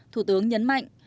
thủ tướng nhấn mạnh